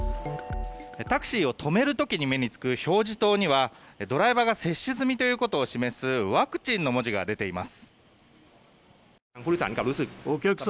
タクシーを止める時に目につく表示灯にはドライバーが接種済みということを示すワクチンの文字が出ています。